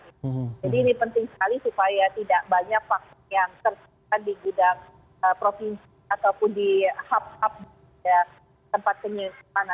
jadi ini penting sekali supaya tidak banyak vaksin yang tersebut di gudang provinsi ataupun di hub hub tempat penyelidikan